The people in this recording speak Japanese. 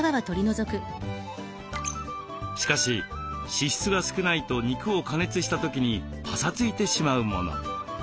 しかし脂質が少ないと肉を加熱した時にパサついてしまうもの。